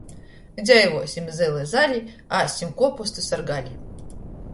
Dzeivuosim zyli zali, ēssim kuopustus ar gali!